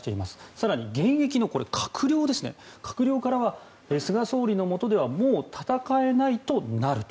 更に、現役の閣僚からは菅総理のもとではもう戦えないとなると。